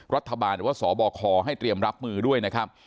รัฐบาลหรือว่าสบคให้เตรียมรับมือด้วยนะครับ